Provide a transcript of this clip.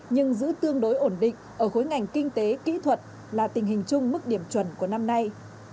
nhưng giữ tương đối ổn định ở khối ngành kinh tế kỹ thuật là tình hình chung mức điểm chuẩn của năm nay